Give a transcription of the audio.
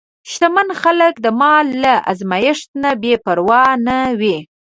شتمن خلک د مال له ازمېښت نه بېپروا نه وي.